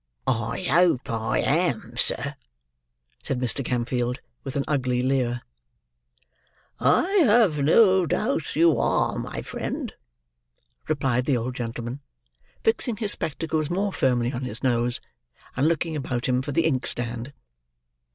"I hope I am, sir," said Mr. Gamfield, with an ugly leer. "I have no doubt you are, my friend," replied the old gentleman: fixing his spectacles more firmly on his nose, and looking about him for the inkstand.